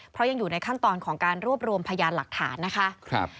เพราะยังอยู่ในขั้นตอนของการรวบรวมพยานหลักฐานนะคะ